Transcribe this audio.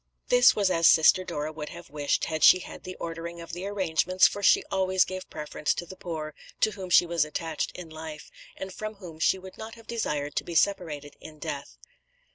This was as Sister Dora would have wished, had she had the ordering of the arrangements, for she always gave preference to the poor, to whom she was attached in life, and from whom she would not have desired to be separated in death."